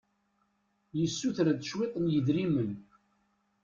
Issuter-d cwiṭ n yidrimen.